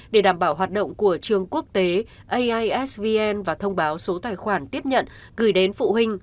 để đảm bảo hoạt động của trường quốc tế aisvn và thông báo số tài khoản tiếp nhận gửi đến phụ huynh